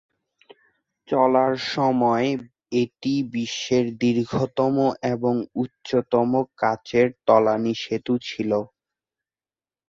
চালুর সময়ে এটি বিশ্বের দীর্ঘতম এবং উচ্চতম কাঁচের-তলানী সেতু ছিল।